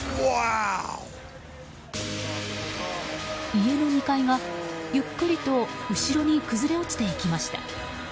家の２階が、ゆっくりと後ろに崩れ落ちていきました。